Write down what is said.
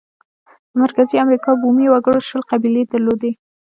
د مرکزي امریکا بومي وګړو شل قبیلې درلودې.